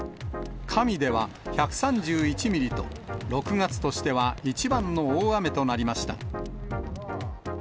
加美では１３１ミリと、６月としては一番の大雨となりました。